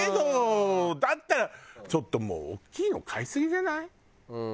だったらちょっともう大きいの買いすぎじゃない？